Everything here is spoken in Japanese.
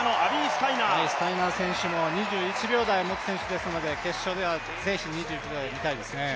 スタイナー選手も２１秒台持つ選手ですので決勝ではぜひ２１秒台、見たいですね